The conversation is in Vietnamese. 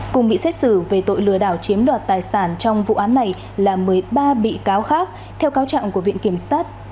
cùng bị xét xử về tội lừa đảo chiếm đoạt tài sản trong vụ án này là một mươi ba bị cáo khác theo cáo trạng của viện kiểm sát